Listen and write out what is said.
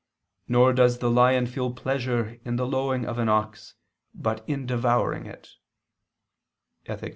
. nor does the lion feel pleasure in the lowing of an ox, but in devouring it" (Ethic.